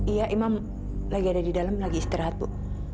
iya imam lagi ada di dalam lagi istirahat bu